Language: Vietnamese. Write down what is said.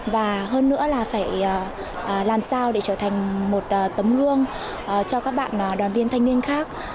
và hơn nữa là phải làm sao để trở thành một tấm gương cho các bạn đoàn viên thanh niên khác